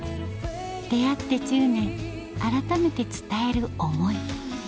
出会って１０年改めて伝える思い